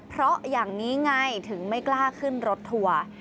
เพราะอย่างนี้ไงถึงไม่กล้าขึ้นรถทัวร์